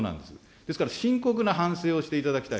ですから、深刻な反省をしていただきたい。